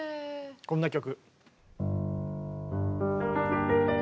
こんな曲。